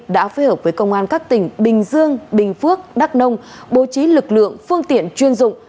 đã phối hợp với công an các tỉnh bình dương bình phước đắk nông bố trí lực lượng phương tiện chuyên dụng